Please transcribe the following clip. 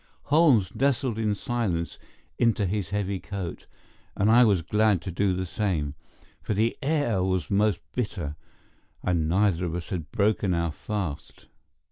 Holmes nestled in silence into his heavy coat, and I was glad to do the same, for the air was most bitter, and neither of us had broken our fast.